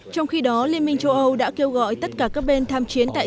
trong khi đó liên minh châu âu đã kêu gọi tất cả các bên tham chiến tại